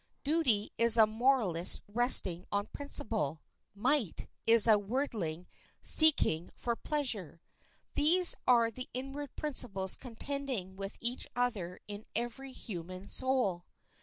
Duty is a moralist resting on principle; might is a worldling seeking for pleasure. These are the inward principles contending with each other in every human soul.